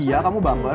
iya kamu baper